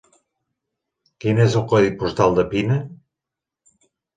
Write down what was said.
Quin és el codi postal de Pina?